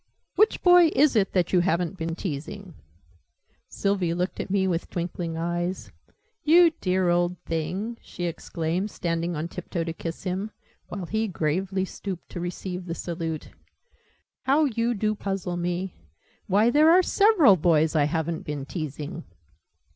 "Which Boy is it that you haven't been teasing?" Sylvie looked at me with twinkling eyes. "You dear old thing!" she exclaimed, standing on tiptoe to kiss him, while he gravely stooped to receive the salute. "How you do puzzle me! Why, there are several boys I haven't been teasing!"